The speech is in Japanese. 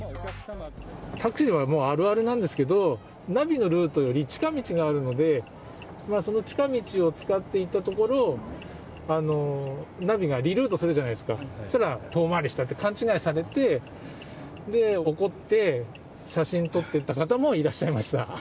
タクシーではもうあるあるなんですけど、ナビのルートより近道があるので、その近道を使って行ったところ、ナビがリルートするじゃないですか、そうしたら遠回りしたって勘違いされて、で、怒って、写真撮っていった方もいらっしゃいました。